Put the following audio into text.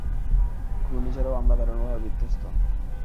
ঘূর্ণিঝড়েও আমরা দারুণভাবে বিধ্বস্ত।